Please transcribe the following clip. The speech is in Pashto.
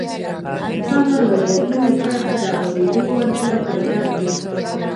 هغه له غوږونو پرته د اورېدو وړتيا پيدا کړي.